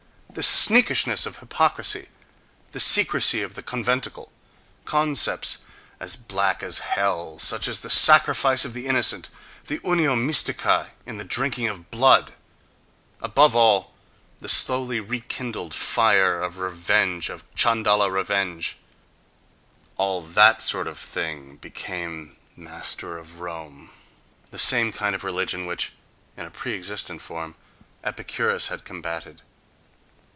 The sneakishness of hypocrisy, the secrecy of the conventicle, concepts as black as hell, such as the sacrifice of the innocent, the unio mystica in the drinking of blood, above all, the slowly rekindled fire of revenge, of Chandala revenge—all that sort of thing became master of Rome: the same kind of religion which, in a pre existent form, Epicurus had combatted.